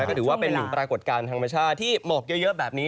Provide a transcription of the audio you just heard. ก็ถือว่าเป็นหนึ่งปรากฏการณ์ธรรมชาติที่หมอกเยอะแบบนี้